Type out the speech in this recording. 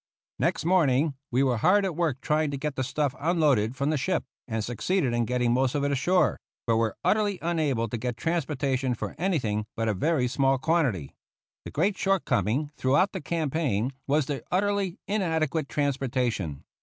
Next morning we were hard at work trying to get the stuff unloaded from the ship, and succeeded in getting most of it ashore, but were utterly unable to get transportation for anything but a very small quantity. The great shortcoming throughout the campaign was the utterly inadequate transportation.